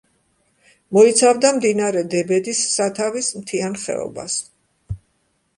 მოიცავდა მდინარე დებედის სათავის მთიან ხეობას.